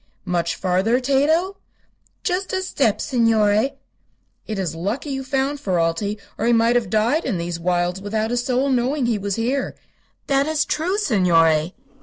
"Much farther, Tato?" "Just a step, signore." "It is lucky you found Ferralti, or he might have died in these wilds without a soul knowing he was here." "That is true, signore."